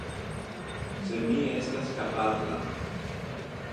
Se mi estas kapabla!